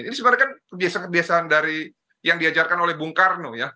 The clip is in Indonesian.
ini sebenarnya kan kebiasaan kebiasaan dari yang diajarkan oleh bung karno ya